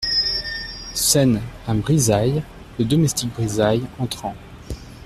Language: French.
Scène un BRIZAILLES, LE DOMESTIQUE BRIZAILLES, entrant.